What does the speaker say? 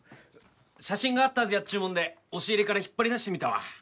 写真があったはずやっちゅうもんで押し入れから引っ張り出してみたわ。